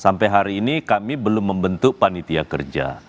sampai hari ini kami belum membentuk panitia kerja